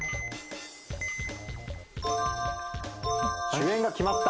主演が決まった。